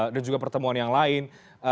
dan juga pertemuan yang lain